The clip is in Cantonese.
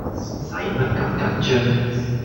駛乜咁緊張